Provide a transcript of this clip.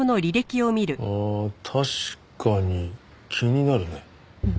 ああ確かに気になるね。